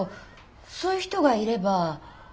そういう人がいれば。